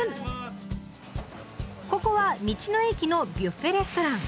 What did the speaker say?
ここは道の駅のビュッフェレストラン。